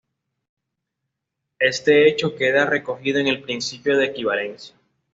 Este hecho queda recogido en el Principio de equivalencia.